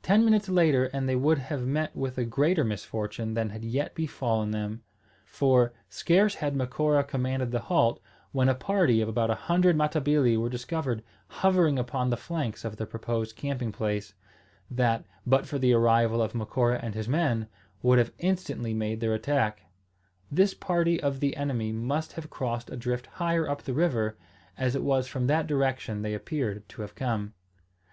Ten minutes later and they would have met with a greater misfortune than had yet befallen them; for, scarce had Macora commanded the halt, when a party of about a hundred Matabili were discovered hovering upon the flanks of the proposed camping place, that, but for the arrival of Macora and his men, would have instantly made their attack. This party of the enemy must have crossed a drift higher up the river, as it was from that direction they appeared to have come.